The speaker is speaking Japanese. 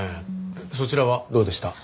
そちらはどうでした？